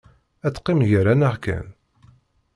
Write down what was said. Ad teqqim gar-aneɣ kan?